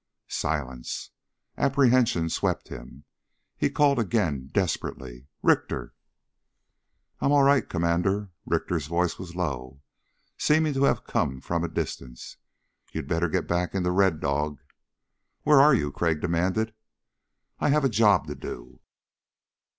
Silence. Apprehension swept him. He called again, desperately: "Richter!" "I'm all right, Commander." Richter's voice was low, seeming to have come from a distance. "You'd better get back into Red Dog." "Where are you?" Crag demanded. "I have a job to do."